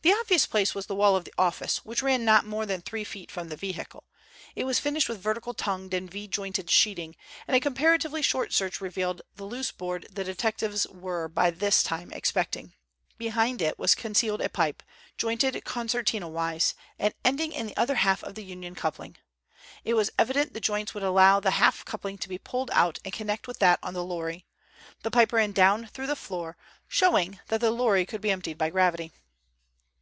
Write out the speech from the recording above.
The obvious place was the wall of the office, which ran not more than three feet from the vehicle. It was finished with vertical tongued and V jointed sheeting, and a comparatively short search revealed the loose board the detectives were by this time expecting. Behind it was concealed a pipe, jointed concertina wise, and ending in the other half of the union coupling. It was evident the joints would allow the half coupling to be pulled out and connected with that on the lorry. The pipe ran down through the floor, showing that the lorry could be emptied by gravity.